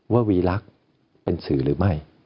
วีรักษ์เป็นสื่อหรือไม่